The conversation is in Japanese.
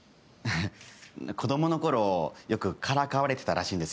子供の頃よくからかわれてたらしいんですよ。